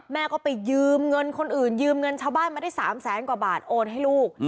แม่ก็ไปยืมเงินคนอื่นยืมเงินชาวบ้านมาได้๓แสนกว่าบาทโอนให้ลูก